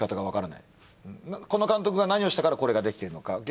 この監督が何をしたからこれができてるとか。